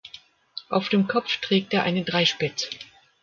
Auf dem Kopf trägt er einen Dreispitz.